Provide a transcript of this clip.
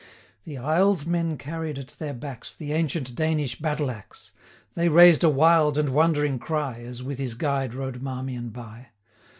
The Isles men carried at their backs The ancient Danish battle axe. They raised a wild and wondering cry, 130 As with his guide rode Marmion by.